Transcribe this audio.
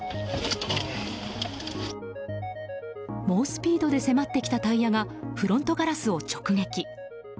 猛スピードで迫ってきたタイヤがフロントガラスを直撃。